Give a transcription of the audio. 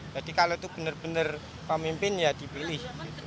jadi kalau itu benar benar pemimpin ya dipilih